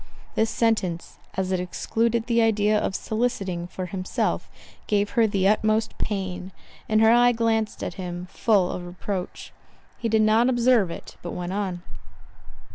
This sentence, as it excluded the idea of soliciting for himself, gave her the utmost pain; and her eye glanced at him, full of reproach. He did not observe it, but went on.